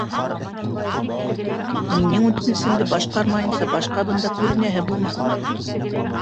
Минең үтенесемде башҡармайынса, башҡа бында күренәһе булма.